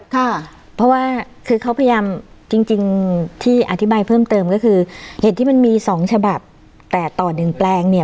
ค่ะเพราะว่าคือเขาพยายามจริงจริงที่อธิบายเพิ่มเติมก็คือเห็ดที่มันมีสองฉบับแต่ต่อหนึ่งแปลงเนี่ย